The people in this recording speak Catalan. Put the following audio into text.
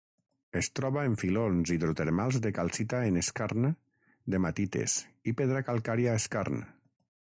Es troba en filons hidrotermals de calcita en skarn d'hematites i pedra calcària skarn.